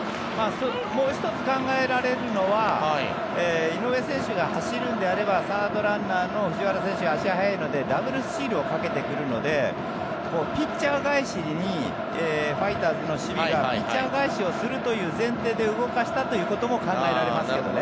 もう１つ考えられるのは井上選手が走るのであればサードランナーの藤原選手が足が速いのでダブルスチールをかけてくるのでピッチャー返しにファイターズの守備がピッチャー返しをするという前提で動かしたということも考えられますけどね。